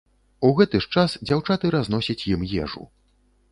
У гэты ж час дзяўчаты разносяць ім ежу.